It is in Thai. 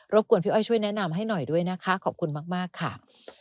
กวนพี่อ้อยช่วยแนะนำให้หน่อยด้วยนะคะขอบคุณมากค่ะ